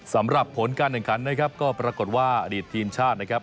สำหรับผลการแข่งขันนะครับก็ปรากฏว่าอดีตทีมชาตินะครับ